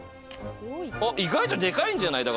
意外とでかいんじゃない？